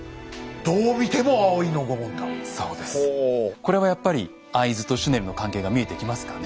これはやっぱり会津とシュネルの関係が見えてきますかね。